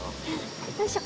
よいしょ。